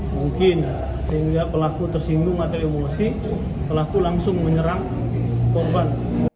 mungkin sehingga pelaku tersinggung atau emosi pelaku langsung menyerang korban